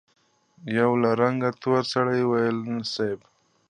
يوه له رنګه تور سړي وويل: صېب!